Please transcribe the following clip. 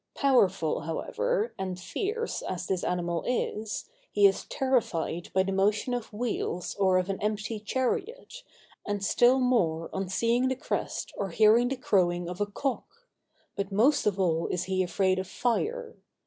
Powerful, however, and fierce as this animal is, he is terrified by the motion of wheels or of an empty chariot, and still more on seeing the crest or hearing the crowing of a cock; but most of all, is he afraid of fire.